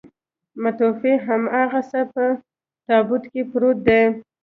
متوفي هماغسې په تابوت کې پروت دی.